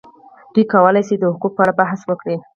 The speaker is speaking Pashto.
دوی کولای شي د حقوقو په اړه بحث وکړي.